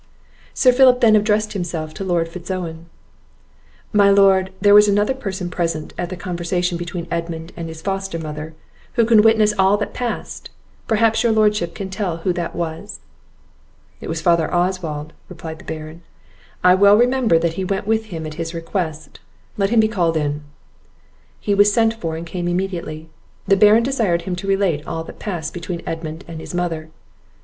Sir Philip then addressed himself to Lord Fitz Owen. "My Lord, there was another person present at the conversation between Edmund and his foster mother, who can witness to all that passed; perhaps your lordship can tell who that was?" "It was father Oswald," replied the Baron; "I well remember that he went with him at his request; let him be called in." He was sent for, and came immediately. The Baron desired him to relate all that passed between Edmund and his mother.